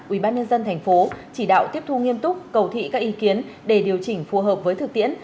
ubnd tp chỉ đạo tiếp thu nghiêm túc cầu thị các ý kiến để điều chỉnh phù hợp với thực tiễn